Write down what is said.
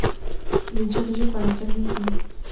L' est dirigé par la famille Gill.